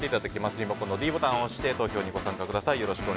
リモコンのｄボタンを押して投票にご参加ください。